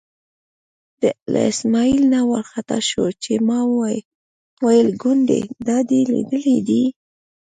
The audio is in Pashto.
له اسمعیل نه وار خطا شو چې ما ویل ګوندې دا دې لیدلی دی.